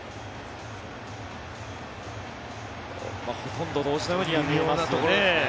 ほとんど同時のようには見えますが。